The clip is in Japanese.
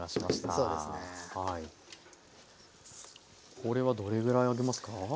これはどれぐらい揚げますか？